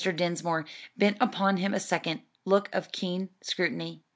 Dinsmore bent upon him a second look of keen scrutiny.